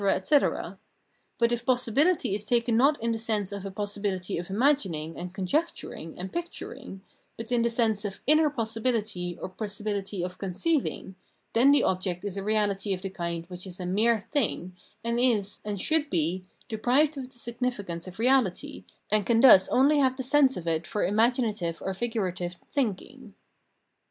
etc. But if possibihty is taken not in the sense of a possibility of " imagining " and " conjec turing " and " picturing," but in the sense of inner possibihty or possibility of conceiving, then the object is a reahty of the kind which is a mere thing and is, and should be, deprived of the significance of reahty, and can thus only have the sense of it for imaginative or figurative thinking.